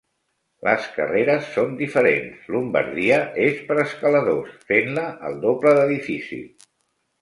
Les carreres són diferents - Lombardia és per escaladors - fent-la el doble de difícil.